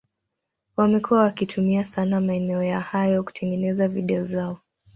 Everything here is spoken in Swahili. wamekuwa wakitumia sana maeneo ya hayo kutengeneza video zao